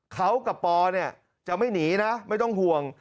เขากับปอเนี่ยจะไม่หนีนะไม่ต้องห่วง